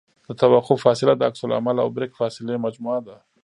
د توقف فاصله د عکس العمل او بریک فاصلې مجموعه ده